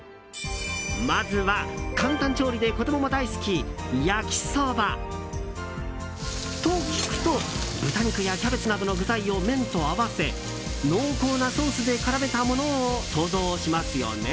まずは簡単調理で子供も大好き焼きそば。と、聞くと豚肉やキャベツなどの具材を麺と合わせ濃厚なソースで絡めたものを想像しますよね？